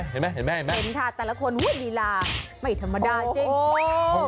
เห็นค่ะแต่ละคนห้วยลีลาไม่ธรรมดาจริง